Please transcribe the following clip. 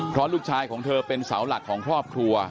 เพราะลูกชายของเธอเป็นเสาหลักของครอบครัว